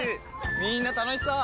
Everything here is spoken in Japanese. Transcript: みんな楽しそう！